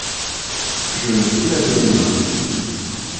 Je me suis lavé les mains.